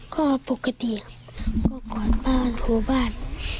ก็ปกติครับกดบ้านหัวบ้าน